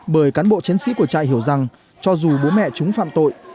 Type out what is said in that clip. bởi cán bộ chiến sĩ của trại hiểu rằng cho dù bố mẹ chúng phạm tội